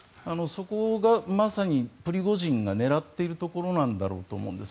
そこがまさにプリゴジンが狙っているところだろうと思います。